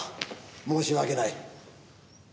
申し訳ない。